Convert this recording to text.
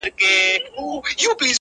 د زمان رحم ـ رحم نه دی؛ هیڅ مرحم نه دی.